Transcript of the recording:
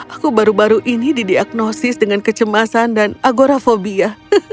aku baru baru ini didiagnosis dengan kecemasan dan agorafobia